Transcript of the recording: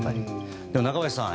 でも、中林さん。